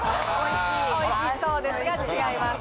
おいしそうですが違います。